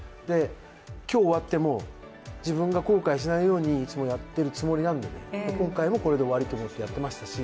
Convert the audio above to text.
今日が終わっても、自分が後悔しないようにいつもやってるつもりなんで、今回もこれが終わりと思ってやってましたし。